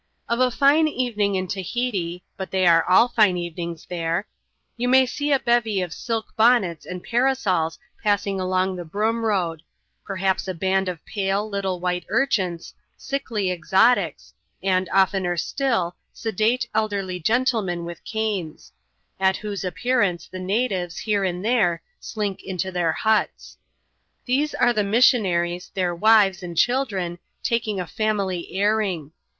Of a fine evening in Tahiti — but they are all fine eveniiigs here — you may see a bevy of silk bonnets and parasols massing aloug Hie Broom Eoad: perhaps a band of pale, little irhite urchins — sickly exotics — and, oftener stiD, sedate, elderly :entlemen, with canes ; at whose ^peai*ance the natives, here nd there, slink into their huts. These are the missionaries, heir wives, and children, taking a family airing.